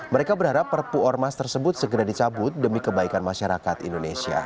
mereka berharap perpu ormas tersebut segera dicabut demi kebaikan masyarakat indonesia